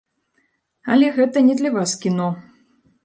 Але гэта не для вас кіно.